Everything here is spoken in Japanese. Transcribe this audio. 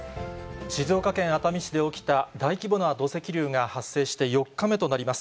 静岡県熱海市で起きた大規模な土石流が発生して４日目となります。